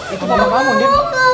aku tidak mau sama kamu